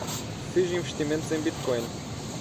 Fez investimentos em Bitcoin